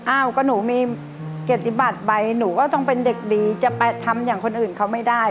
อ้าวก็หนูมีเกียรติบัติไปหนูก็ต้องเป็นเด็กดีจะไปทำอย่างคนอื่นเขาไม่ได้